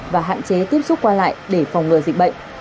và hạn chế tiếp xúc qua lại để phòng ngừa dịch bệnh